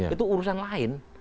itu urusan lain